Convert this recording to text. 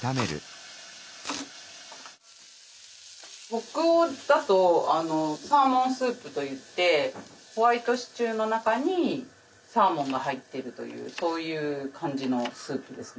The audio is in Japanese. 北欧だとサーモンスープといってホワイトシチューの中にサーモンが入ってるというそういう感じのスープですね。